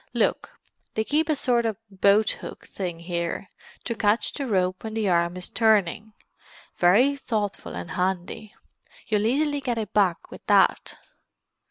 Look—they keep a sort of boathook thing here, to catch the rope when the arm is turning—very thoughtful and handy. You'll easily get it back with that."